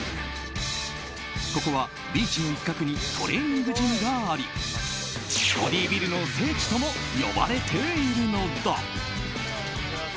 ここはビーチの一角にトレーニングジムがありボディビルの聖地とも呼ばれているのだ。